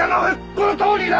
このとおりだ！